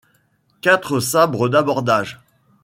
quatre sabres d’abordage.